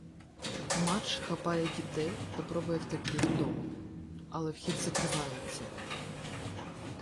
Мардж хапає дітей, та пробує втекти з дому, але вхід закривається.